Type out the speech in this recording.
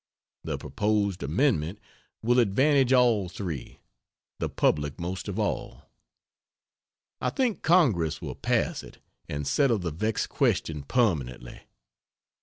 The proposed amendment will advantage all three the public most of all. I think Congress will pass it and settle the vexed question permanently.